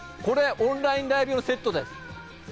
オンラインライブ用のセットです。